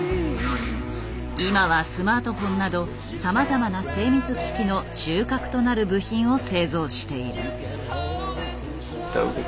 今はスマートフォンなどさまざまな精密機器の中核となる部品を製造している。